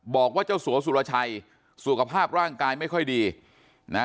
บอกว่าเจ้าสัวสุรชัยสุขภาพร่างกายไม่ค่อยดีนะ